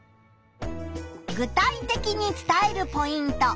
具体的に伝えるポイント。